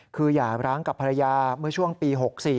คืออย่าร้างกับภรรยาเมื่อช่วงปี๖๔